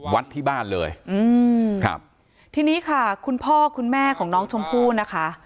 วัดที่บ้านเลยอืมครับทีนี้ค่ะคุณพ่อคุณแม่ของน้องชมพู่นะคะ